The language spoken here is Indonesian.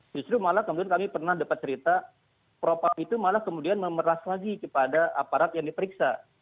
justru malah kemudian kami pernah dapat cerita propam itu malah kemudian memeras lagi kepada aparat yang diperiksa